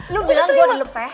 lu bilang gua dilepeh